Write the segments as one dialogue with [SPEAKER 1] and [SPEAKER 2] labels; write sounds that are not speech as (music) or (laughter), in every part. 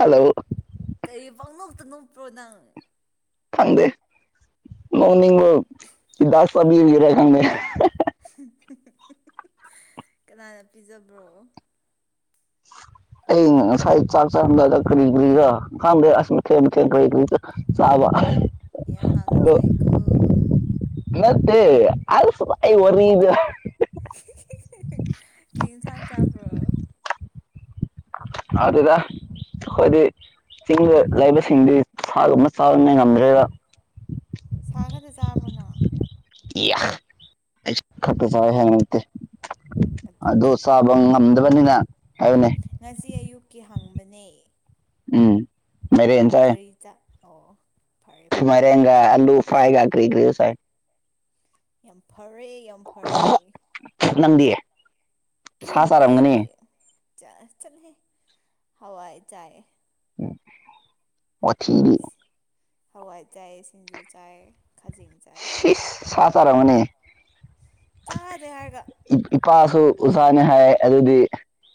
[SPEAKER 1] Hello
[SPEAKER 2] ꯀꯔꯤ ꯄꯪꯡꯅꯣꯛꯇ ꯅꯣꯛꯄ꯭ꯔꯣ ꯅꯪ
[SPEAKER 1] ꯈꯪꯗꯦ ꯅꯣꯛꯅꯤꯡꯕ ꯂꯥꯛꯄꯒꯤꯔꯥ ꯈꯪꯗꯦ
[SPEAKER 2] ꯀꯅꯥꯅ ꯄꯤꯖꯕ꯭ꯔꯣ (inaudible)
[SPEAKER 1] ꯑꯩ ꯉꯁꯥꯏ ꯆꯥꯛ ꯆꯥꯔꯝꯗꯥꯏꯗ ꯀꯔꯤꯀꯔꯤꯒ ꯈꯪꯗꯦ ꯑꯁ ꯃꯊꯦꯟ ꯃꯊꯦꯟ ꯀꯔꯤꯀꯔꯤ ꯆꯥꯕ
[SPEAKER 2] ꯌꯥꯝ ꯍꯥꯎꯅ ꯆꯥꯏꯀꯣ
[SPEAKER 1] ꯃꯠꯇꯦ ꯑꯁ ꯑꯩ ꯋꯥꯔꯤꯗ
[SPEAKER 2] ꯀꯩ ꯏꯟꯁꯥꯡ ꯆꯥꯕ꯭ꯔꯣ
[SPEAKER 1] ꯍꯥꯎꯗꯦꯗ ꯑꯩꯈꯣꯏꯗꯤ ꯆꯤꯡꯗ ꯂꯩꯕꯁꯤꯡꯗꯤ ꯁꯥꯒꯨꯝꯕ ꯆꯥꯅ ꯉꯝꯗ꯭ꯔꯦꯕ
[SPEAKER 2] ꯁꯥ ꯈꯇ ꯆꯥꯕꯣ ꯅꯪ
[SPEAKER 1] (unintelligible) ꯑꯗꯨ
[SPEAKER 2] ꯑꯗꯨꯗꯤ
[SPEAKER 1] ꯆꯥꯕ ꯉꯝꯗꯕꯅꯤꯅ ꯍꯥꯏꯕꯅꯦ
[SPEAKER 2] ꯉꯁꯤ ꯑꯌꯨꯛꯀꯤ ꯍꯪꯕꯅꯦ
[SPEAKER 1] ꯎꯝ ꯃꯥꯏꯔꯦꯟ ꯆꯥꯏ
[SPEAKER 2] ꯀꯔꯤ ꯆꯥꯛ ꯑꯣꯑꯣ
[SPEAKER 1] ꯃꯥꯏꯔꯦꯟꯒ ꯑꯂꯨ ꯐ꯭ꯔꯥꯏꯒ ꯀ꯭ꯔꯤ ꯀ꯭ꯔꯤꯁꯥꯏ
[SPEAKER 2] ꯌꯥꯝ ꯐꯔꯦ ꯌꯥꯝ ꯐꯔꯦ
[SPEAKER 1] ꯅꯪꯗꯤ ꯁꯥ ꯆꯥꯔꯝꯒꯅꯤ
[SPEAKER 2] ꯑꯩꯗꯤ ꯆ ꯆꯂꯍꯦ ꯍꯋꯥꯏ ꯆꯥꯏ
[SPEAKER 1] ꯎꯝ ꯋꯥꯊꯤ
[SPEAKER 2] ꯍꯋꯥꯏ ꯆꯥꯏ ꯁꯤꯟꯖꯨ ꯆꯥꯏ ꯈꯖꯤꯡ ꯆꯥꯏ
[SPEAKER 1] ꯁꯤꯁ ꯆꯥꯔꯝ ꯃꯅꯤ
[SPEAKER 2] ꯆꯥꯗꯦ ꯍꯥꯏꯔꯒ
[SPEAKER 1] ꯏꯄꯥꯁꯨ ꯎꯖꯥꯅꯤ ꯍꯥꯏ ꯑꯗꯨꯗꯤ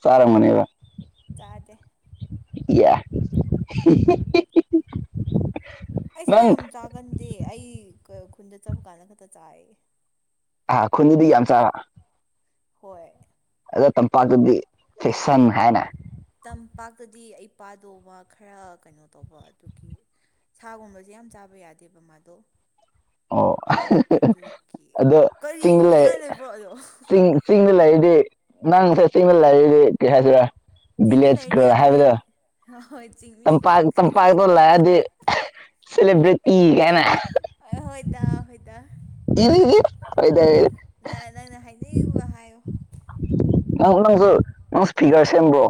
[SPEAKER 1] ꯆꯥꯔꯝꯒꯅꯦꯕ
[SPEAKER 2] ꯆꯥꯗꯦ
[SPEAKER 1] (inaudible)
[SPEAKER 2] ꯑꯩ ꯁꯥ
[SPEAKER 1] ꯅꯪ
[SPEAKER 2] ꯌꯥꯝ ꯆꯥꯒꯟꯗꯦ ꯑꯩ ꯈꯨꯟꯗ ꯆꯠꯄ ꯀꯥꯟꯗ ꯈꯛꯇ ꯆꯥꯏ
[SPEAKER 1] ꯑꯥ ꯈꯨꯨꯟꯗꯤ ꯌꯥꯝ ꯆꯕ
[SPEAKER 2] ꯍꯣꯏ
[SPEAKER 1] ꯑꯗꯣ ꯇꯝꯄꯥꯛꯇꯗꯤ ꯐꯦꯁꯟ ꯍꯥꯏꯅ
[SPEAKER 2] ꯇꯝꯄꯥꯛꯇꯗꯤ ꯑꯩ ꯄꯥꯗꯣ ꯃꯥ ꯈꯔ ꯀꯩꯅꯣ ꯇꯧꯕ ꯑꯗꯨꯒꯤ ꯁꯥ ꯒꯨꯝꯕꯁꯦ ꯌꯥꯝ ꯆꯥꯕ ꯌꯥꯗꯦꯕ ꯃꯥꯗꯣ
[SPEAKER 1] ꯑꯣ
[SPEAKER 2] ꯑꯗꯨꯒꯤ
[SPEAKER 1] ꯑꯗꯣ
[SPEAKER 2] ꯀꯔꯤ
[SPEAKER 1] ꯆꯤꯡ ꯂꯩ
[SPEAKER 2] ꯅꯣꯛꯅꯤꯡꯉꯥꯏ ꯂꯩꯕ꯭ꯔꯣ ꯑꯗꯣ
[SPEAKER 1] ꯆꯤꯡ unintelligible ꯆꯤꯡꯗ ꯂꯩꯔꯗꯤ ꯅꯪꯁꯦ ꯆꯤꯡꯗ ꯂꯩꯔꯗꯤ ꯀꯩ ꯍꯥꯏꯁꯤꯔ
[SPEAKER 2] ꯆꯤꯡꯗ
[SPEAKER 1] ꯚꯤꯂꯦꯖ
[SPEAKER 2] ꯂꯩꯔꯗꯤ
[SPEAKER 1] ꯒ꯭ꯔꯜ
[SPEAKER 2] ꯑꯩꯈꯣꯏ
[SPEAKER 1] ꯍꯥꯏꯕꯗꯣ
[SPEAKER 2] ꯍꯣꯏ ꯆꯤꯡꯃꯤ
[SPEAKER 1] ꯇꯝꯄꯥꯛ ꯇꯝꯄꯥꯛꯇ ꯂꯥꯛꯑꯗꯤ unintelligible ꯁꯦꯂꯦꯕ꯭ꯔꯤꯇꯤ ꯀꯥꯏꯅ
[SPEAKER 2] ꯍꯣꯏꯗ ꯍꯣꯏꯗ
[SPEAKER 1] (inaudible)
[SPEAKER 2] ꯅꯪ ꯅꯪꯅ ꯍꯥꯏꯅꯤꯡꯕ ꯍꯥꯏꯌꯨ
[SPEAKER 1] ꯅꯪ ꯅꯪꯁꯨ ꯐꯤꯒꯔ ꯁꯦꯝꯕ꯭ꯔꯣ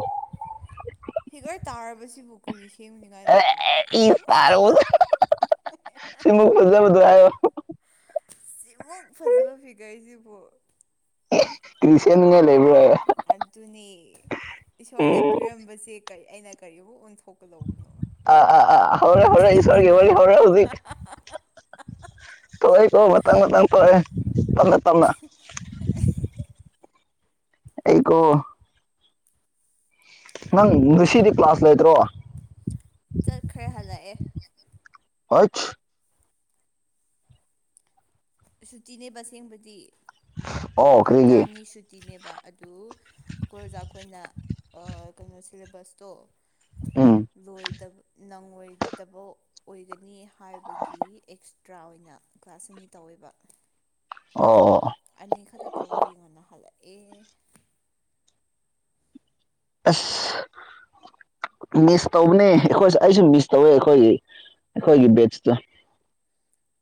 [SPEAKER 2] ꯐꯤꯒꯔ ꯇꯥꯔꯕꯁꯤꯕꯨ ꯀ꯭ꯔꯤ ꯁꯦꯝꯅꯤꯡꯉꯥꯏ ꯂꯩꯕ꯭ꯔꯣ
[SPEAKER 1] (unintelligible)
[SPEAKER 2] ꯁꯤꯃꯨꯛ ꯐꯖꯕ ꯐꯤꯒꯔꯁꯤꯕꯨ
[SPEAKER 1] (unintelligible)
[SPEAKER 2] ꯑꯗꯨꯅꯦ ꯏꯁꯣꯔꯅ
[SPEAKER 1] ꯑꯥ
[SPEAKER 2] ꯄꯤꯔꯝꯕꯁꯦ ꯀꯔꯤ ꯑꯩꯅ ꯀꯔꯤꯃꯨꯛ ꯑꯣꯟꯊꯣꯛꯀꯗꯧꯕꯅꯣ
[SPEAKER 1] (unintelligible) ꯇꯣꯛꯑꯦꯀꯣ ꯃꯇꯥꯡ ꯃꯇꯥꯡ ꯇꯣꯛꯑꯦ ꯇꯞꯅ ꯇꯞꯅ
[SPEAKER 2] (inaudible)
[SPEAKER 1] ꯑꯩꯀꯣ ꯅꯪ ꯉꯁꯤꯗꯤ ꯀ꯭ꯂꯥꯁ ꯂꯩꯇ꯭ꯔꯣ
[SPEAKER 2] ꯆꯠꯈ꯭ꯔꯦ ꯍꯜꯂꯛꯑꯦ
[SPEAKER 1] (inaudible)
[SPEAKER 2] ꯁꯨꯇꯤ ꯅꯦꯕ ꯑꯁꯦꯡꯕꯗꯤ
[SPEAKER 1] ꯑꯣ
[SPEAKER 2] ꯍꯞꯇꯥ
[SPEAKER 1] ꯀꯔꯤꯒꯤ
[SPEAKER 2] ꯑꯅꯤ ꯁꯨꯇꯤ ꯅꯦꯕ ꯑꯗꯨ ꯑꯩꯈꯣꯏ ꯑꯣꯖꯥ ꯑꯩꯈꯣꯏꯅ ꯑ ꯀꯩꯅꯣ ꯁꯤꯂꯦꯕꯁꯇꯣ
[SPEAKER 1] ꯎꯝ
[SPEAKER 2] ꯂꯣꯢꯗꯕ ꯅꯪꯉꯣꯏꯗꯕ ꯑꯣꯏꯒꯅꯤ ꯍꯥꯏꯕꯒꯤ ꯑꯦꯛꯁꯇ꯭ꯔꯥ ꯑꯣꯏꯅ ꯀ꯭ꯂꯥꯁ ꯑꯅꯤ ꯇꯧꯋꯦꯕ
[SPEAKER 1] ꯑꯣ ꯑꯣ
[SPEAKER 2] ꯑꯅꯤ ꯈꯛꯇ ꯇꯧꯕꯒꯤ ꯉꯟꯅ ꯍꯜꯂꯛꯑꯦ
[SPEAKER 1] ꯑꯁ ꯃꯤꯁ ꯇꯧꯕꯅꯦ ꯑꯩꯈꯣꯏꯁꯨ ꯑꯩꯁꯨ ꯃꯤꯁ ꯇꯧꯋꯦ ꯑꯩꯈꯣꯏꯒꯤ ꯑꯩꯈꯣꯏꯒꯤ ꯕꯦꯠꯁꯇꯣ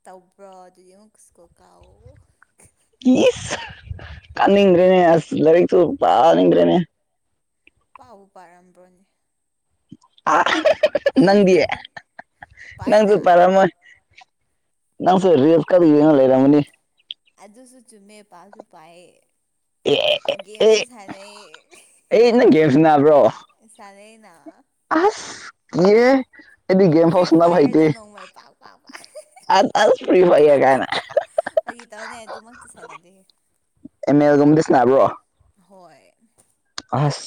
[SPEAKER 2] ꯇꯧꯕ꯭ꯔꯣ ꯑꯗꯨꯗꯤ ꯑꯃꯨꯛ ꯁꯀꯨ꯭ꯜ ꯀꯥꯎꯑꯣ
[SPEAKER 1] ꯏꯁ ꯀꯥꯅꯤꯡꯗ꯭ꯔꯦꯅꯦ ꯑꯁ ꯂꯥꯏꯔꯤꯛꯇꯨ ꯄꯥꯅꯤꯡꯗ꯭ꯔꯦꯅꯦ
[SPEAKER 2] ꯄꯥꯕꯨ ꯄꯥꯔꯝꯕ꯭ꯔꯣꯅꯦ
[SPEAKER 1] ꯑ ꯅꯪꯗꯤ ꯅꯪꯁꯨ
[SPEAKER 2] ꯄꯥꯏꯅ
[SPEAKER 1] ꯄꯥꯔꯝꯃꯣꯢ ꯅꯪꯁꯨ ꯔꯤꯜ ꯀꯟꯅ ꯌꯦꯡꯉ ꯂꯩꯔꯝꯒꯅꯤ
[SPEAKER 2] ꯑꯗꯨꯁꯨ ꯆꯨꯝꯃꯦ ꯄꯥꯁꯨ ꯄꯥꯢꯌꯦ
[SPEAKER 1] ꯑꯦ ꯑꯦ ꯑꯦ
[SPEAKER 2] ꯒꯦꯝꯁꯨ
[SPEAKER 1] ꯑꯦ
[SPEAKER 2] ꯁꯟꯅꯩꯌꯦ
[SPEAKER 1] ꯑꯩ ꯅꯪ ꯒꯦꯝꯁꯨ ꯁꯥꯟꯅꯕ꯭ꯔꯣ
[SPEAKER 2] ꯁꯥꯟꯅꯩꯅ
[SPEAKER 1] ꯑꯁ ꯀꯤꯌꯦ ꯑꯩꯗꯤ ꯒꯦꯝ
[SPEAKER 2] ꯐ꯭ꯔꯤ
[SPEAKER 1] ꯐꯥꯎ ꯁꯥꯟꯅꯕ
[SPEAKER 2] ꯐꯥꯏꯌꯔꯗ
[SPEAKER 1] ꯍꯩꯇꯦ
[SPEAKER 2] ꯅꯣꯡꯃꯩ ꯄꯥꯛ ꯄꯥꯛ ꯄꯥꯛ
[SPEAKER 1] ꯑꯁ ꯑꯁ ꯐ꯭ꯔꯤ ꯐꯥꯢꯌꯔ ꯀꯥꯏꯅ
[SPEAKER 2] ꯐꯥꯒꯤ ꯇꯧꯕꯅꯦ ꯑꯗꯨꯃꯛꯇꯤ ꯁꯥꯟꯅꯗꯦ
[SPEAKER 1] ꯑꯦꯝ ꯑꯦꯜ ꯒꯨꯝꯕꯗꯤ ꯁꯥꯟꯅꯥꯕ꯭ꯔꯣ
[SPEAKER 2] ꯍꯣꯏ
[SPEAKER 1] ꯑꯁ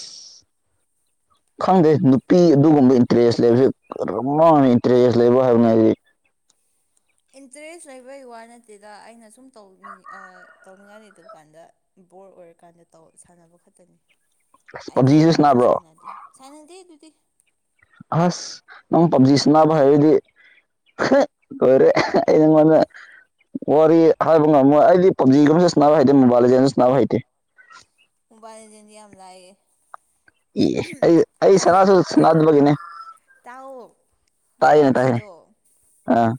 [SPEAKER 2] (unintelligible)
[SPEAKER 1] ꯈꯪꯗꯦ ꯅꯨꯄꯤ ꯑꯗꯨꯒꯨꯝꯕ ꯏꯟꯇꯔꯦꯁ ꯂꯩꯕꯕꯁꯤ ꯀꯔꯝꯅ ꯏꯟꯇꯔꯦꯁ ꯂꯩꯕ ꯍꯥꯏꯕꯅ ꯍꯥꯏꯗꯤ
[SPEAKER 2] ꯏꯟꯇꯔꯦꯁ ꯂꯩꯕꯩ ꯋꯥ ꯅꯠꯇꯦꯗ ꯑꯩꯅ ꯁꯨꯝ ꯇꯧꯅꯤꯡ ꯇꯧꯅꯤꯡꯉꯥꯢ ꯂꯩꯇꯕꯀꯥꯟꯗ ꯕꯣꯔ ꯑꯣꯏꯔꯀꯥꯟꯗ ꯇꯧ ꯁꯥꯟꯅꯕ ꯈꯛꯇꯅꯤ
[SPEAKER 1] ꯑꯁ
[SPEAKER 2] ꯑꯩꯗꯤ ꯌꯥꯝ
[SPEAKER 1] ꯄꯞꯖꯤꯁꯨ
[SPEAKER 2] ꯄꯛꯁꯨ
[SPEAKER 1] ꯁꯥꯟꯅꯕ꯭ꯔꯣ
[SPEAKER 2] ꯁꯥꯟꯅꯗꯦ ꯁꯥꯟꯅꯗꯤ ꯑꯗꯨꯗꯤ
[SPEAKER 1] ꯑꯁ ꯅꯪ ꯄꯞꯖꯤ ꯁꯅꯕ ꯍꯩꯔꯗꯤ (unintelligible) ꯑꯣꯏꯔꯦ ꯑꯩ ꯅꯉꯣꯟꯗ ꯋꯥꯔꯤ ꯍꯥꯏꯕ ꯉꯝꯃꯣꯏ ꯑꯩꯗꯤ ꯄꯞꯖꯤꯒꯨꯝ ꯁꯥꯟꯅꯕ ꯍꯩꯇꯦ ꯃꯣꯕꯥꯏ ꯂꯤꯖꯦꯟꯒꯨꯝ ꯁꯥꯅꯕ ꯍꯩꯇꯦ
[SPEAKER 2] ꯃꯣꯕꯥꯏꯜꯂꯤꯖꯦꯟꯗꯤ ꯌꯥꯝ ꯂꯥꯌꯦ
[SPEAKER 1] ꯑꯦ ꯑꯩ ꯑꯩ ꯁꯔꯁꯨ ꯁꯅꯔꯔꯣꯏꯅꯦ
[SPEAKER 2] ꯇꯥꯎ ꯄꯕꯖꯤꯗꯣ
[SPEAKER 1] ꯑꯥ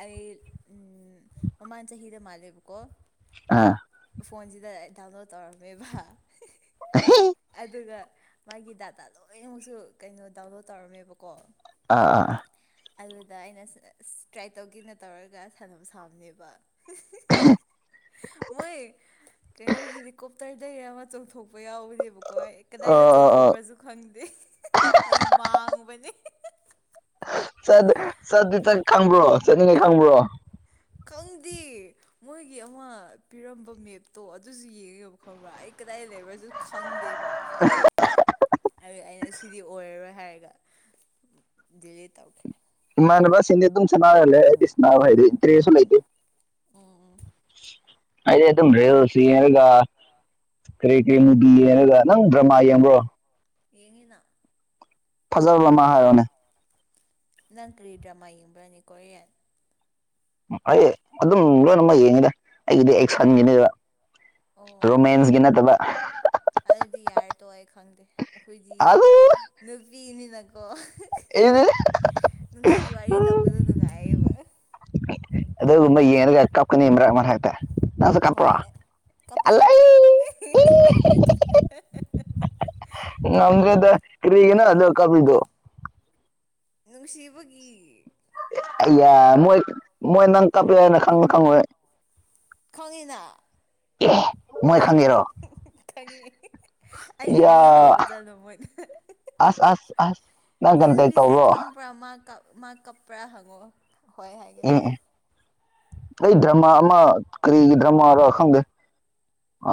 [SPEAKER 2] ꯑꯩ ꯎꯝ ꯃꯃꯥꯡ ꯆꯍꯤꯗ ꯃꯥꯜꯂꯦꯕꯀꯣ
[SPEAKER 1] ꯑꯥ
[SPEAKER 2] ꯐꯣꯟꯁꯤꯗ ꯗꯥꯎꯟꯂꯣꯗ ꯇꯧꯔꯝꯃꯦꯕ
[SPEAKER 1] (unintelligible)
[SPEAKER 2] ꯑꯗꯨꯒ ꯃꯥꯒꯤ ꯗꯥꯇꯥ ꯂꯣꯏꯅꯃꯛꯁꯨ ꯀꯩꯅꯣ ꯗꯥꯎꯟꯂꯣꯠ ꯇꯧꯔꯝꯃꯦꯕꯀꯣ
[SPEAKER 1] ꯑꯥ ꯑꯥ
[SPEAKER 2] ꯑꯗꯨꯗ ꯑꯩꯅ ꯇ꯭ꯔꯥꯏ ꯇꯧꯒꯦꯅ ꯇꯧꯔꯒ ꯁꯥꯟꯅꯕ ꯁꯥꯕꯅꯦꯕ ꯃꯣꯏ ꯀꯩꯅꯣ ꯍꯦꯗꯤ ꯀꯣꯞꯇꯔ ꯀꯩ ꯑꯃ ꯆꯣꯡꯊꯣꯛꯄ ꯌꯥꯎꯕꯅꯦꯕꯀꯣ ꯀꯗꯥꯏꯗ
[SPEAKER 1] ꯑꯥ ꯑꯥ
[SPEAKER 2] ꯆꯣꯡꯊꯣꯛꯄ꯭ꯔꯁꯨ ꯈꯪꯗꯦ ꯑꯩ ꯃꯥꯡꯕꯅꯤ (unintelligible)
[SPEAKER 1] ꯆꯠ ꯆꯠ ꯈꯪꯕ꯭ꯔꯣ ꯆꯠꯅꯤꯉꯥꯢ ꯈꯪꯕ꯭ꯔꯣ
[SPEAKER 2] ꯈꯪꯗꯤ ꯃꯣꯏꯒꯤ ꯑꯃ ꯄꯤꯔꯝꯕ ꯃꯦꯞꯇꯣ ꯑꯗꯨꯁꯨ ꯌꯦꯡꯉꯦꯕ ꯈꯪꯕ꯭ꯔꯥ ꯑꯩ ꯀꯗꯥꯏ ꯂꯩꯕ꯭ꯔꯥꯁꯨ ꯈꯪꯗꯦꯕ
[SPEAKER 1] (unintelligible)
[SPEAKER 2] ꯑꯗꯨꯢ ꯑꯩꯅ ꯁꯤꯗꯤ ꯑꯣꯏꯔꯔꯣꯏ ꯍꯥꯏꯔꯒ ꯗꯤꯂꯤꯠ ꯇꯧꯈ꯭ꯔꯦ
[SPEAKER 1] ꯏꯃꯥꯅꯕꯁꯤꯡꯗꯤ ꯑꯗꯨꯝ ꯁꯥꯅꯔ ꯂꯩ ꯑꯩꯗꯤ ꯁꯥꯅꯕꯁꯨ ꯍꯩꯇꯦ ꯏꯟꯇ꯭ꯔꯦꯖꯁꯨ ꯂꯩꯇꯦ
[SPEAKER 2] ꯎꯝ ꯎꯝ
[SPEAKER 1] ꯑꯩꯗꯤ ꯑꯗꯨꯝ ꯔꯦꯜꯁ ꯌꯦꯡꯔꯒ ꯀꯔꯤ ꯀꯔꯤ ꯅꯨꯕꯤ ꯌꯦꯡꯔꯒ ꯅꯪ ꯗ꯭ꯔꯃꯥ ꯌꯦꯡꯕꯣ
[SPEAKER 2] ꯌꯦꯉꯤꯅ
[SPEAKER 1] ꯐꯖꯕ ꯑꯃ ꯍꯥꯏꯔꯣ
[SPEAKER 2] ꯅꯪ ꯀꯔꯤ ꯗ꯭ꯔꯃꯥ ꯌꯦꯡꯕ꯭ꯔꯅꯦ ꯀꯦꯔꯤꯌꯥꯟ
[SPEAKER 1] ꯑꯩ ꯑꯗꯨꯝ ꯂꯣꯏꯅꯃꯛ ꯌꯦꯡꯉꯤꯗ ꯑꯩꯒꯤꯗꯤ ꯑꯦꯛꯁꯟꯒꯤꯅꯦꯕ
[SPEAKER 2] ꯑꯣ
[SPEAKER 1] ꯔꯣꯃꯦꯟꯁꯀꯤ ꯅꯠꯇꯕ
[SPEAKER 2] ꯑꯗꯨꯗꯤ ꯌꯥꯔꯦ ꯇꯣꯑꯣ ꯑꯩ ꯈꯪꯗꯦ ꯑꯈꯣꯏꯗꯤ
[SPEAKER 1] ꯑꯗꯨ
[SPEAKER 2] ꯅꯨꯄꯤꯅꯤꯅꯀꯣ
[SPEAKER 1] (unintelligible)
[SPEAKER 2] ꯅꯨꯡꯁꯤ ꯋꯥꯔꯤ ꯇꯧꯕꯗꯨ ꯅꯨꯡꯉꯥꯏꯌꯦꯕ
[SPEAKER 1] ꯑꯗꯨꯒꯨꯝꯕ ꯌꯦꯡꯉꯒ ꯀꯞꯀꯅꯤ ꯃꯔꯛ ꯃꯔꯛꯇ ꯅꯪꯁꯨ ꯀꯞꯄ꯭ꯔꯣ
[SPEAKER 2] ꯍꯣꯏ ꯀꯞꯄꯤꯅ
[SPEAKER 1] ꯑꯂꯩ ꯏ
[SPEAKER 2] (unintelligible)
[SPEAKER 1] ꯉꯝꯗꯦꯗ ꯀꯔꯤꯒꯤ ꯅꯪ ꯑꯗꯨꯗꯥ ꯀꯞꯄꯤꯗꯨ
[SPEAKER 2] ꯅꯨꯡꯁꯤꯕꯒꯤ
[SPEAKER 1] ꯑꯌꯥ ꯃꯣꯏ ꯃꯣꯏ ꯅꯪ ꯀꯥꯄꯦ ꯍꯥꯢꯅ ꯈꯪꯉꯣꯢ
[SPEAKER 2] ꯈꯪꯉꯤꯅ
[SPEAKER 1] ꯑꯦ ꯃꯣꯏ ꯈꯪꯉꯦꯔꯣ
[SPEAKER 2] ꯈꯪꯉꯤ ꯑꯩꯒꯤ ꯃꯤꯡ ꯍꯡꯕꯗ ꯑꯗꯨꯝ ꯃꯣꯏ ꯈꯪ
[SPEAKER 1] ꯑꯁ ꯑꯁ ꯑꯁ ꯅꯪ
[SPEAKER 2] ꯁꯤ
[SPEAKER 1] ꯀꯟꯇꯦꯛ
[SPEAKER 2] ꯅꯨꯄꯤꯁꯦ
[SPEAKER 1] ꯇꯧꯕ꯭ꯔꯣ
[SPEAKER 2] ꯈꯪꯕ꯭ꯔꯥ ꯃꯥ ꯀꯞ ꯃꯥ ꯀꯞꯄ꯭ꯔꯥ ꯍꯪꯉꯣ ꯍꯣꯏ ꯍꯥꯏꯒꯅꯤ
[SPEAKER 1] ꯑꯦ ꯑꯦ ꯑꯩ ꯗ꯭ꯔꯃꯥ ꯑꯃ ꯀꯔꯤꯒꯤ ꯗ꯭ꯔꯃꯥꯔꯣ ꯈꯪꯗꯦ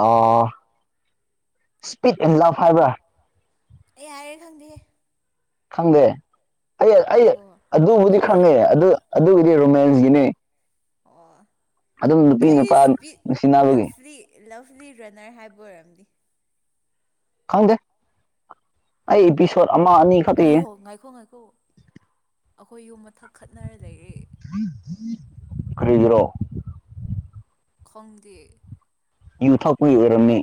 [SPEAKER 1] ꯑꯣ ꯏꯁꯄꯤꯠ ꯑꯦꯟ ꯂꯐ ꯍꯥꯏꯕ꯭ꯔꯥ
[SPEAKER 2] ꯑꯩ ꯌꯥꯔꯦ ꯈꯪꯗꯦ
[SPEAKER 1] ꯈꯪꯗꯦ ꯑꯩ ꯑꯩ
[SPEAKER 2] ꯉꯥꯏꯈꯣ
[SPEAKER 1] ꯑꯗꯨꯕꯨꯗꯤ
[SPEAKER 2] ꯑꯩꯈꯣꯏ
[SPEAKER 1] ꯈꯪꯉꯦ ꯑꯗꯨ ꯑꯗꯨꯒꯤꯗꯤ ꯔꯣꯃꯦꯟꯁꯒꯤꯅꯤ
[SPEAKER 2] ꯑꯣ
[SPEAKER 1] ꯅꯨꯄꯤ
[SPEAKER 2] ꯀꯩ
[SPEAKER 1] ꯅꯨꯄꯥ
[SPEAKER 2] ꯏꯁꯄꯤꯠ
[SPEAKER 1] ꯅꯨꯡꯁꯤꯅꯕꯒꯤ
[SPEAKER 2] ꯂꯐꯂꯤ ꯂꯚꯂꯤ ꯔꯟꯅꯔ ꯍꯥꯏꯕ ꯑꯣꯏꯔꯝꯅꯤ
[SPEAKER 1] ꯈꯪꯗꯦ ꯑꯩ ꯄꯤꯁ ꯑꯃ ꯑꯅꯤ ꯈꯛꯇ ꯌꯦꯡꯉꯦ
[SPEAKER 2] ꯑꯣꯍꯣ ꯉꯥꯏꯈꯣ ꯉꯥꯏꯈꯣ ꯑꯩꯈꯣꯏ ꯌꯨꯝ ꯃꯊꯛ ꯈꯠꯅꯔ ꯂꯩꯔ
[SPEAKER 1] ꯀꯔꯤꯒꯤꯔꯣ
[SPEAKER 2] ꯈꯪꯗꯦ
[SPEAKER 1] ꯌꯨ ꯊꯛꯄꯒꯤ ꯑꯣꯏꯔꯝꯃꯤ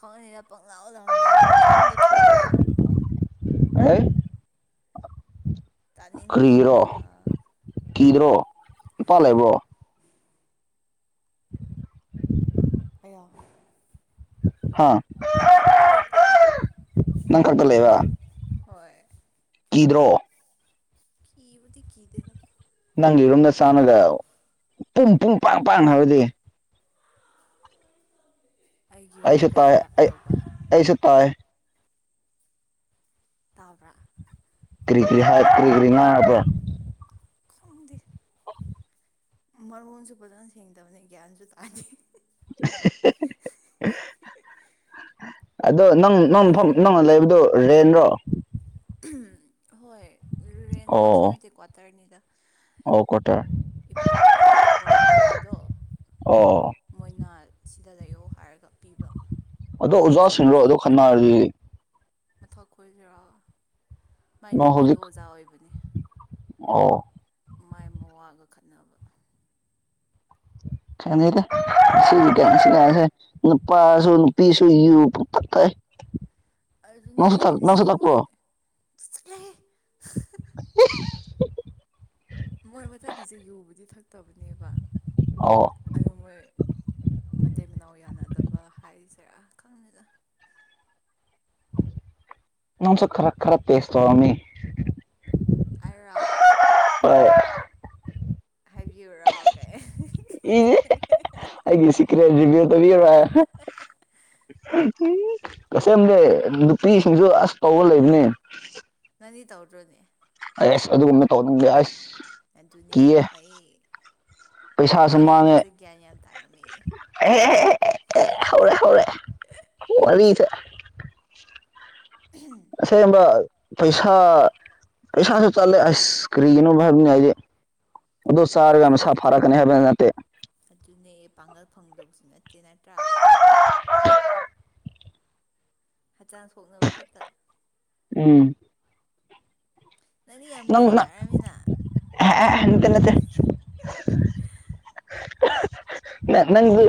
[SPEAKER 2] ꯈꯪꯅꯩꯔ ꯄꯪꯪꯂꯥꯎ ꯂꯥꯎꯅꯩꯌꯦ ꯄꯪꯊꯣꯝꯗ ꯊꯣꯝꯅꯩ
[SPEAKER 1] (unintelligible) ꯀꯔꯤꯒꯤꯔꯣ
[SPEAKER 2] ꯇꯥꯅꯤꯡꯗꯕꯅ
[SPEAKER 1] ꯀꯤꯗ꯭ꯔꯣ ꯃꯄꯥꯜ ꯂꯩꯕ꯭ꯔꯣ
[SPEAKER 2] ꯑ
[SPEAKER 1] ꯍꯥ
[SPEAKER 2] ꯏꯄꯥ ꯂꯩꯩꯇꯦꯗ
[SPEAKER 1] ꯅꯪ ꯈꯛꯇ ꯂꯩꯕ ꯀꯤꯗ꯭ꯔꯣ
[SPEAKER 2] ꯀꯤꯕꯨꯗꯤ ꯀꯤꯗꯦꯗ
[SPEAKER 1] ꯅꯪꯒꯤ ꯔꯨꯝꯝꯗ ꯆꯥꯅꯒ ꯄꯨꯡ ꯄꯨꯡ ꯄꯥꯡ ꯄꯥꯡ ꯍꯥꯏꯕꯗꯤ
[SPEAKER 2] ꯑꯩꯒꯤ ꯌꯨꯝꯗ
[SPEAKER 1] ꯑꯩꯁꯨ
[SPEAKER 2] ꯀꯩꯒꯤ
[SPEAKER 1] ꯇꯥꯏ
[SPEAKER 2] ꯂꯥꯛꯀꯗꯧꯕ
[SPEAKER 1] ꯑꯁꯨ ꯇꯥꯏ
[SPEAKER 2] ꯇꯕ꯭ꯔꯥ
[SPEAKER 1] ꯀ꯭ꯔꯤ ꯀꯔꯤ ꯍꯥꯏ ꯀ꯭ꯔꯤ ꯀꯔꯤꯅꯗꯣ (unintelligible)
[SPEAKER 2] ꯈꯪꯗꯤ
[SPEAKER 1] (unintelligible)
[SPEAKER 2] ꯃꯔꯣꯟꯁꯨ ꯐꯖꯅ ꯁꯦꯡꯗꯕꯅꯤ ꯒ꯭ꯌꯥꯟꯁꯨ ꯇꯥꯗꯦ (unintelligible)
[SPEAKER 1] ꯑꯗꯣ ꯅꯪ ꯅꯪ ꯃꯐꯝ ꯅꯪꯅ ꯂꯩꯕꯗꯨꯣ ꯔꯦꯟ꯭ꯔꯣ
[SPEAKER 2] ꯍꯣꯏ ꯔꯦꯟꯃꯛꯁꯨ
[SPEAKER 1] ꯑꯣ
[SPEAKER 2] ꯅꯠꯇꯦ ꯀ꯭ꯋꯥꯇꯔꯅꯤꯗ
[SPEAKER 1] ꯑꯣ ꯀ꯭ꯋꯥꯇꯔ
[SPEAKER 2] ꯏꯄꯥꯒꯤ ꯊꯕꯛ ꯇꯧꯐꯝꯗꯣ
[SPEAKER 1] ꯑꯣ
[SPEAKER 2] ꯃꯣꯏꯅ ꯁꯤꯗ ꯂꯩꯌꯣ ꯍꯥꯏꯔꯒ ꯄꯤꯕ
[SPEAKER 1] ꯑꯗꯣ
[SPEAKER 2] ꯄꯩꯁꯥ
[SPEAKER 1] ꯑꯣꯖꯥꯁꯤꯡꯔꯣ ꯑꯗ
[SPEAKER 2] ꯊꯤꯗꯦꯗ
[SPEAKER 1] ꯈꯟꯅꯔꯗꯤ
[SPEAKER 2] ꯃꯊꯛ ꯈꯣꯏꯁꯤꯔꯒ ꯃꯥꯏ
[SPEAKER 1] ꯅꯪ
[SPEAKER 2] ꯅꯨꯄꯤꯗꯣ
[SPEAKER 1] ꯍꯧꯖꯤꯛ
[SPEAKER 2] ꯑꯣꯖꯥ ꯑꯣꯏꯕꯅꯤ
[SPEAKER 1] ꯑꯣ
[SPEAKER 2] ꯃꯥꯏ ꯃ ꯋꯥꯒ ꯈꯠꯅꯕ
[SPEAKER 1] ꯈꯗ ꯁꯤꯁꯨ ꯀꯁꯦ ꯅꯨꯄꯥꯁꯨ ꯅꯨꯄꯤꯁꯨ ꯌ (unintelligible)
[SPEAKER 2] ꯑꯗꯨꯅꯦ ꯁꯤ ꯁꯤ ꯃꯣꯏꯂ
[SPEAKER 1] ꯊꯛꯄ꯭ꯔꯣ
[SPEAKER 2] (unintelligible)
[SPEAKER 1] (unintelligible)
[SPEAKER 2] ꯃꯣꯏ ꯃꯊꯛꯀꯤꯁꯦ ꯌꯨꯕꯨꯗꯤ ꯊꯛꯇꯕꯅꯦꯕ
[SPEAKER 1] ꯑ
[SPEAKER 2] ꯑꯗꯨ ꯃꯣꯏ ꯃꯇꯩ ꯃꯅꯥꯎ ꯌꯥꯅꯗꯕ ꯍꯥꯏꯔꯤꯁꯦꯔꯥ ꯈꯪꯉꯦꯒ
[SPEAKER 1] ꯅꯪꯁꯨ ꯈꯔ ꯈꯔ ꯇꯦꯁ ꯇꯧꯔꯝꯅꯤ
[SPEAKER 2] ꯑꯩꯔꯣ
[SPEAKER 1] ꯍꯣꯏ
[SPEAKER 2] ꯍꯥꯏꯕꯤꯌꯨꯔꯣ ꯀ
[SPEAKER 1] ꯏꯦ ꯑꯩꯒꯤ ꯁꯤꯀ꯭ꯔꯦꯔꯤꯌ ꯇ (unintelligible) ꯎ ꯀꯁꯝꯅꯦ ꯅꯨꯄꯤꯁꯤꯡꯁꯨ ꯑꯁ ꯇꯧꯕ ꯂꯩꯕꯅꯦ
[SPEAKER 2] ꯅꯪꯗꯤ ꯇꯧꯗ꯭ꯔꯣꯅꯦ
[SPEAKER 1] ꯑꯁ ꯑꯗꯨꯒꯨꯝꯕ ꯇꯧꯅꯤꯡꯗꯦ ꯑꯁ
[SPEAKER 2] ꯑꯗꯨꯅꯦ
[SPEAKER 1] ꯀꯤꯌꯦ
[SPEAKER 2] ꯐꯩꯌꯦ ꯌꯥꯝ
[SPEAKER 1] ꯄꯩꯁꯥꯁꯨ
[SPEAKER 2] ꯐꯩꯌꯦ
[SPEAKER 1] ꯃꯥꯡꯉꯦ
[SPEAKER 2] ꯅꯪꯁꯦ ꯒ꯭ꯌꯥꯟ ꯌꯥꯝ ꯇꯥꯔꯝꯃꯤ
[SPEAKER 1] ꯑꯦ ꯍ‌ꯦ ꯍ‌ꯦ ꯍꯧꯔꯦ ꯍꯧꯔꯦ ꯋꯔꯤꯗꯣ
[SPEAKER 2] ꯎꯍꯨꯝ
[SPEAKER 1] ꯑꯁꯦꯡꯕ ꯄꯩꯁꯥ ꯄꯩꯁꯥꯁꯨ ꯆꯠꯂꯦ ꯑꯁ ꯀꯔꯤꯒꯤꯅꯣ ꯍꯥꯏꯕꯅꯤ ꯑꯩꯗꯤ ꯑꯗꯨ ꯆꯥꯔꯒ
[SPEAKER 2] ꯑꯗꯨꯅꯦ
[SPEAKER 1] ꯃꯁꯥ
[SPEAKER 2] ꯑꯗꯨꯅꯦ
[SPEAKER 1] ꯐꯥꯛꯀꯅꯤ ꯍꯥꯏꯕꯗꯤ ꯅꯠꯇꯦ
[SPEAKER 2] ꯑꯗꯨꯅꯦ ꯄꯥꯡꯒꯜ ꯐꯥꯡꯗꯧꯁꯨ ꯅꯠꯇꯦ ꯅꯠꯇ꯭ꯔꯥ ꯍꯛꯆꯥꯡ ꯁꯣꯛꯅꯕ ꯈꯛꯇ
[SPEAKER 1] ꯎꯝ
[SPEAKER 2] ꯅꯪꯗꯤ ꯌꯥꯝ ꯒ꯭ꯌꯥꯟ ꯇꯥꯔꯝꯃꯤꯅ
[SPEAKER 1] ꯑꯥꯍꯥꯍꯦ ꯅꯥꯠꯇ‌ꯦ ꯅꯠꯇꯦ ꯅꯪꯁꯨ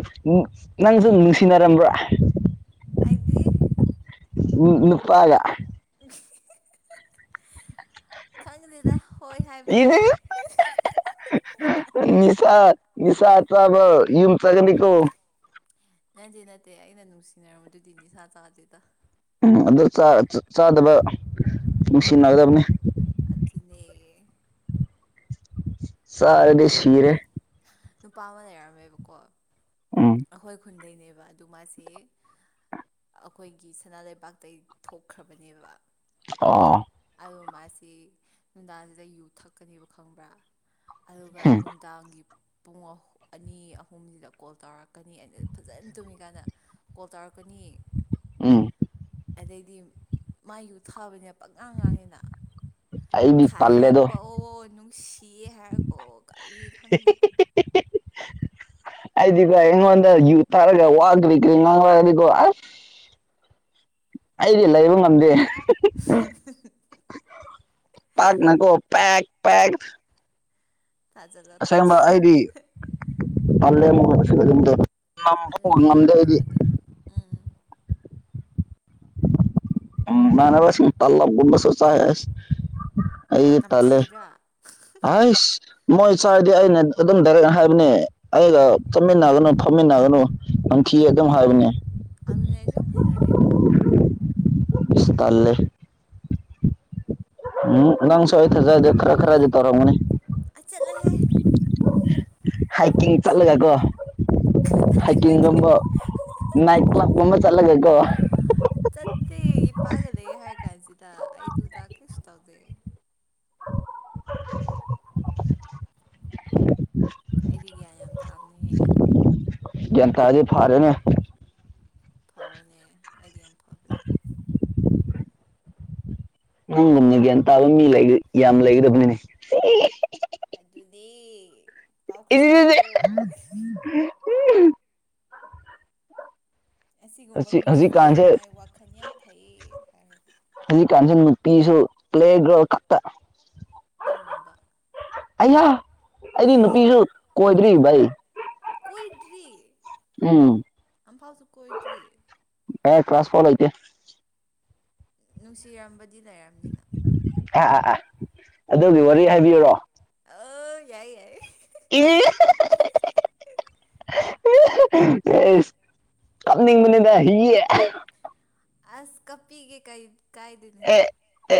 [SPEAKER 1] ꯅꯪꯁꯨ ꯅꯨꯡꯁꯤꯅꯔꯝꯕ꯭ꯔꯥ
[SPEAKER 2] ꯍꯥꯏꯗꯤ
[SPEAKER 1] ꯅꯨ ꯅꯨꯄꯥꯒ
[SPEAKER 2] ꯈꯪꯗꯦꯗ ꯍꯣꯏ ꯍꯥꯏꯕ ꯇꯥꯔꯦ
[SPEAKER 1] (unintelligible) ꯅꯤꯁꯥ ꯅꯤꯁꯥ ꯆꯕ ꯌꯨꯝ ꯆꯠꯂꯥꯅꯤꯀꯣ
[SPEAKER 2] ꯅꯠꯇꯦ ꯅꯠꯇꯦ ꯑꯩꯅ ꯅꯨꯡꯁꯤꯅꯔꯝ ꯕꯗꯨꯗꯤ ꯅꯤꯁꯥ ꯆꯥꯗꯦꯗ
[SPEAKER 1] ꯎꯝ ꯑꯗꯨꯗ ꯆꯥ ꯆꯥꯗꯕ ꯅꯨꯡꯁꯤꯅꯒꯗꯕꯅꯤ
[SPEAKER 2] ꯑꯗꯨꯅꯦ
[SPEAKER 1] ꯆꯔꯗꯤ ꯁꯤꯔꯦ
[SPEAKER 2] ꯅꯨꯄꯥ ꯑꯃ ꯂꯩꯔꯝꯃꯦꯕꯀꯣ
[SPEAKER 1] ꯎꯝ
[SPEAKER 2] ꯑꯩꯈꯣꯏ ꯈꯨꯟꯗꯩꯅꯦꯕ ꯑꯗꯨ ꯃꯥꯁꯦ ꯑꯩꯈꯣꯏꯒꯤ ꯁꯅꯥꯕꯥꯛꯇꯩ ꯊꯣꯛꯈ꯭ꯔꯕꯅꯦꯕ
[SPEAKER 1] ꯑꯣ
[SPEAKER 2] ꯑꯗꯣ ꯃꯥꯁꯤ ꯅꯨꯡꯗꯥꯡꯁꯤ ꯌꯨ ꯊꯛꯀꯅꯦꯕ ꯈꯪꯕ꯭ꯔꯥ ꯑꯗꯨꯒ
[SPEAKER 1] ꯎꯝ
[SPEAKER 2] ꯅꯨꯡ ꯅꯨꯟꯗꯟꯒꯤ ꯄꯨꯡ ꯑꯅꯤ ꯑꯍꯨꯝꯁꯤꯗ ꯀꯣꯜ ꯇꯧꯔꯛ ꯂꯥꯛꯀꯅꯤ ꯑꯗꯨ ꯐꯖꯅ ꯇꯨꯝꯃꯤꯀꯥꯟꯗ ꯀꯣꯜ ꯇꯧꯔꯛꯀꯅꯤ
[SPEAKER 1] ꯎꯝ
[SPEAKER 2] ꯑꯗꯩꯗꯤ ꯃꯥꯏ ꯌꯨ ꯊꯥꯕꯅꯦ ꯄꯛꯉꯥꯡ ꯉꯥꯡꯑꯦꯅ
[SPEAKER 1] ꯑꯩꯗꯤ ꯇꯜꯂꯦꯗꯣ
[SPEAKER 2] ꯈꯥꯏꯔꯛꯄ ꯑꯣ ꯅꯨꯡꯁꯤꯌꯦ ꯍꯥꯏꯔꯛꯀꯣ ꯀꯔꯤ ꯈꯪꯗꯦ (inaudible)
[SPEAKER 1] ꯑꯩꯗꯤꯀꯣ ꯑꯩꯉꯣꯟꯗ ꯌꯨ ꯊꯥꯔꯒ ꯋꯥꯒ꯭ꯒ ꯉꯥꯡ ꯋꯥꯗꯤꯀꯣ ꯑꯩꯗꯤ ꯂꯩꯕ ꯉꯝꯗꯦ
[SPEAKER 2] (unintelligible)
[SPEAKER 1] ꯄꯠꯅꯀꯣ ꯄꯦꯛ ꯄꯦꯛ
[SPEAKER 2] ꯊꯥꯖꯜꯂꯣ
[SPEAKER 1] ꯑꯁꯥꯏ ꯑꯃꯥ
[SPEAKER 2] ꯊꯥꯖꯜꯂꯣ
[SPEAKER 1] ꯑꯩꯗ ꯍꯜꯂꯦ ꯑꯃꯨꯛ ꯉꯁꯤ ꯌꯨꯝꯗ ꯅꯝꯊꯣꯛꯕ ꯉꯝꯗ꯭ꯔꯕꯗꯤ
[SPEAKER 2] ꯑꯝ
[SPEAKER 1] ꯏꯃꯟꯅꯕ ꯁꯤꯟ ꯇꯥꯂꯞ ꯒꯨꯝꯕꯁꯨ ꯆꯥꯏꯌꯦ
[SPEAKER 2] ꯅꯝꯊꯤꯗꯔꯥ
[SPEAKER 1] ꯍꯁ ꯃꯣꯏ ꯆꯥꯗꯤ ꯑꯩꯅ ꯑꯗꯨꯝ ꯗꯥꯏꯔꯦꯛ ꯍꯥꯏꯕꯅꯦ ꯑꯩꯒ ꯆꯠꯃꯤꯟꯅꯒꯅꯨ ꯐꯝꯃꯤꯟꯅꯒꯅꯨ ꯅꯝꯊꯤ ꯑꯗꯨꯝ ꯍꯥꯏꯕꯅꯦ
[SPEAKER 2] ꯑꯗꯨꯅꯦ ꯑꯩꯁꯨ ꯌꯥꯝ ꯍꯥꯏꯅꯗꯦ ꯃꯥꯅꯝꯗꯣ
[SPEAKER 1] ꯑꯁ ꯇꯜꯂꯦ ꯎꯝ ꯅꯪꯁꯨ ꯑꯩ ꯊꯖꯗꯦ ꯈꯔ ꯈꯔꯗꯤ ꯇꯧꯔꯝꯒꯅꯤ
[SPEAKER 2] ꯑꯥ ꯆꯠꯂꯣꯍꯦ꯫
[SPEAKER 1] ꯍꯥꯏꯛꯀꯤꯡ ꯆꯠꯂꯒꯀꯣ
[SPEAKER 2] ꯋꯥꯊꯤꯗꯤ
[SPEAKER 1] ꯍꯥꯏꯀꯤꯡ ꯒꯨꯝꯕ
[SPEAKER 2] ꯀꯗꯥꯏꯗꯒꯤ
[SPEAKER 1] ꯅꯥꯏꯠ ꯀ꯭ꯂꯕ ꯀꯨꯝꯕ ꯆꯠꯂꯒꯀꯣ
[SPEAKER 2] ꯆꯠꯇꯦ ꯏꯄꯥꯒ ꯂꯩꯏꯌꯦ ꯍꯥꯏꯔ ꯀꯥꯟꯁꯤꯗ ꯑꯩꯗꯨꯗꯥ ꯀꯩꯁꯨ ꯇꯧꯗꯦ
[SPEAKER 1] (unintelligible)
[SPEAKER 2] ꯑꯩꯗꯤ ꯒ꯭ꯌꯥꯟ ꯌꯥꯝ ꯇꯥꯕꯅꯤꯍꯦ
[SPEAKER 1] ꯒ꯭ꯌꯥꯟ ꯇꯔꯥꯗꯤ ꯐꯥꯔꯦꯅꯦ
[SPEAKER 2] ꯐꯕꯅꯦ ꯑꯩꯗꯤ ꯌꯥꯝ ꯐꯕꯅꯦ
[SPEAKER 1] ꯅꯪꯒꯨꯝꯅ ꯒ꯭ꯌꯥꯟ ꯇꯥꯕ ꯃꯤ ꯌꯥꯝ ꯂꯩꯒꯗꯕꯅꯤꯅꯦ
[SPEAKER 2] ꯑꯗꯨꯅꯦ ꯄꯥꯎ ꯈꯔ
[SPEAKER 1] ꯏꯗꯤꯗꯤꯗꯤ
[SPEAKER 2] ꯁꯟꯗꯣꯛꯑꯣ ꯑꯁꯤꯒꯨꯝꯕ
[SPEAKER 1] ꯍꯧꯖꯤꯛ
[SPEAKER 2] ꯃꯤꯁꯦ
[SPEAKER 1] ꯍꯧꯖꯤꯛꯀꯥꯟꯁꯦ
[SPEAKER 2] ꯃꯥꯏ ꯋꯥꯈꯜ ꯌꯥꯝ ꯐꯩꯌꯦꯅ ꯍꯥꯏꯔꯒ
[SPEAKER 1] ꯍꯧꯖꯤꯛꯀꯥꯟꯁꯤ ꯅꯨꯄꯤꯁꯨ ꯄ꯭ꯂꯦꯒ꯭ꯔꯥꯎꯟ ꯈꯛꯇ
[SPEAKER 2] ꯅꯪꯒꯨꯝꯕ
[SPEAKER 1] ꯑꯩꯍ ꯑꯩꯗꯤ ꯅꯨꯄꯤꯁꯨ ꯀꯣꯏꯗ꯭ꯔꯤ ꯚꯩ
[SPEAKER 2] ꯀꯣꯏꯗ꯭ꯔꯤ ꯑꯝꯐꯥꯎꯁꯨ ꯀꯣꯏꯗ꯭ꯔꯤ
[SPEAKER 1] ꯃ ꯀ꯭ꯂꯥꯁ ꯐꯣꯜꯣꯇꯦ
[SPEAKER 2] ꯅꯨꯡꯁꯤꯔꯝꯕꯗꯤ ꯂꯩꯔꯕꯝꯅꯤꯅ
[SPEAKER 1] ꯑꯥ ꯑꯥ ꯑꯥ ꯑꯗꯨꯒꯤ ꯋꯥꯔꯤ ꯍꯥꯏꯕꯤꯨꯔꯣ
[SPEAKER 2] ꯑ ꯌꯥꯏ ꯌꯥꯏ
[SPEAKER 1] ꯏ ꯑꯦꯁ ꯀꯞꯅꯤꯡꯕꯅꯤꯗ ꯍꯤꯌꯦ
[SPEAKER 2] ꯑꯁ ꯀꯄꯤꯒꯦ ꯀꯩ ꯀꯥꯏꯗꯅꯦ
[SPEAKER 1] ꯑꯦ ꯑꯦ